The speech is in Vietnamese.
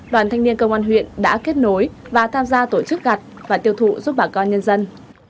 đoàn thanh niên công an huyện đã kết nối và tham gia tổ chức gạt và tiêu thụ giúp bà con nhân dân